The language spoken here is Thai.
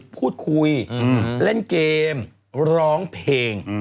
พูดคุยเล่นเกมร้องเพลง